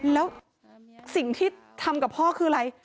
แล้วสิ่งที่ทำกับพ่อคืออะไร